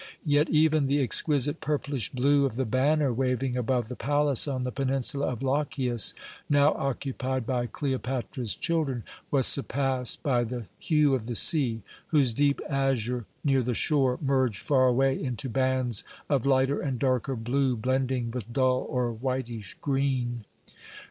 Yet even the exquisite purplish blue of the banner waving above the palace on the peninsula of Lochias, now occupied by Cleopatra's children, was surpassed by the hue of the sea, whose deep azure near the shore merged far away into bands of lighter and darker blue, blending with dull or whitish green.